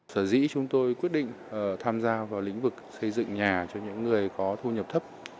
sở dĩ chúng tôi quyết định tham gia vào lĩnh vực xây dựng nhà cho những người có thu nhập thấp